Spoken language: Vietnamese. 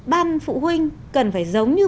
ban phụ huynh cần phải giống như